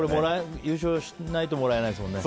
優勝しないともらえないんですもんね。